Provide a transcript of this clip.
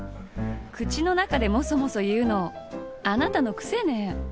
口の中でモソモソ言うのあなたの癖ネ。